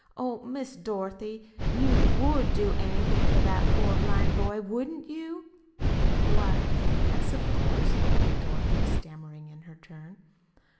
"Oh, Miss Dorothy, you WOULD do anything for that poor blind boy, wouldn't you?" "Why, y yes, of course," faltered Dorothy, stammering in her turn.